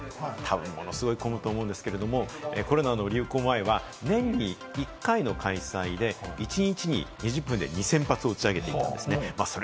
すごい混むと思うんですけれど、コロナの流行前は年に１回の開催で、一日に２０分で２０００発を打ち上げていたんです。